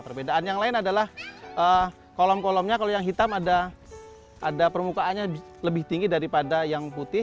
perbedaan yang lain adalah kolom kolomnya kalau yang hitam ada permukaannya lebih tinggi daripada yang putih